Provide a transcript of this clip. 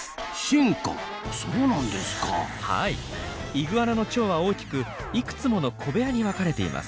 イグアナの腸は大きくいくつもの小部屋に分かれています。